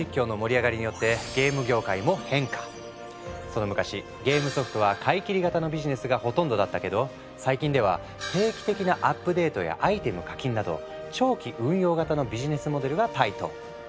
その昔ゲームソフトは買い切り型のビジネスがほとんどだったけど最近では定期的なアップデートやアイテム課金など長期運用型のビジネスモデルが台頭。